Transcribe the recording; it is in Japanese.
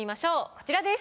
こちらです。